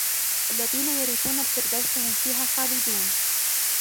الَّذِينَ يَرِثُونَ الْفِرْدَوْسَ هُمْ فِيهَا خَالِدُونَ